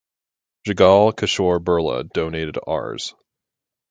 Jugal Kishore Birla donated Rs.